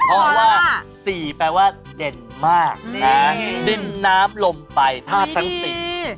เพราะว่า๔แปลว่าเด่นมากนะดินน้ำลมไฟท่าทั้งสิ่ง